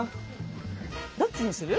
どっちにする？